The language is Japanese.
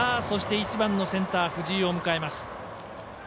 １番のセンター、藤井を迎えます。